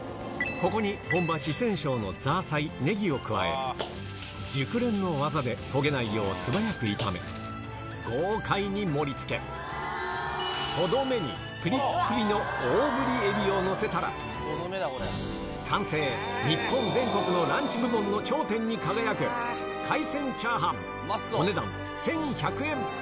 ここに本場、四川省のザーサイ、ネギを加え、熟練の技で焦げないよう素早く炒め、豪快に盛りつけ、とどめにぷりっぷりの大ぶりエビを載せたら、完成、日本全国のランチ部門の頂点に輝く海鮮チャーハン、お値段１１００円。